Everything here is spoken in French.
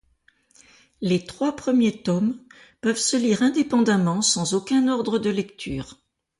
Les trois premiers tomes peuvent se lire indépendamment sans aucun ordre de lecture.